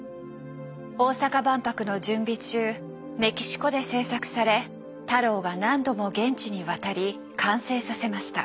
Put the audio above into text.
大阪万博の準備中メキシコで制作され太郎が何度も現地に渡り完成させました。